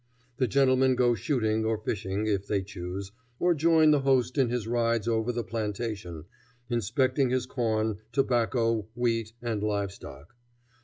The gentlemen go shooting or fishing, if they choose, or join the host in his rides over the plantation, inspecting his corn, tobacco, wheat, and live stock.